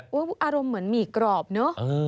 อารมณ์เหมือนหมี่กรอบเนอะ